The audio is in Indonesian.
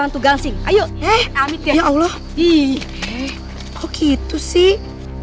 itu gansing ayo ya allah ih kok gitu sih